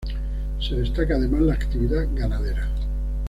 Se destaca además la actividad ganadera.